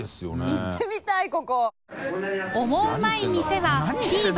行ってみたいここ！